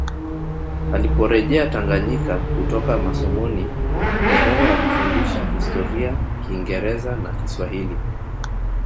Aliporejea Tanganyika kutoka masomoni Nyerere alifundisha Historia Kingereza na Kiswahili